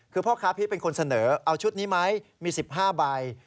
คือพ่อค้าพีชเป็นคนเสนอเอาชุดนี้ไหมมี๑๕ใบ